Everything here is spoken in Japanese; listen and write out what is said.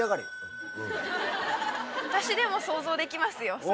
私でも想像できますよ